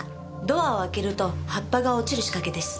ドアを開けると葉っぱが落ちる仕掛けです。